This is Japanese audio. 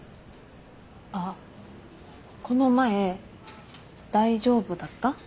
あっこの前大丈夫だった？